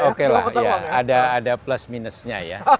oke lah ya ada plus minusnya ya